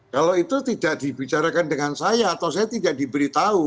kalau itu tidak dibicarakan dengan saya atau saya tidak diberitahu